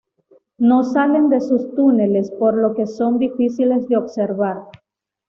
No salen de sus túneles, por lo que son difíciles de observar.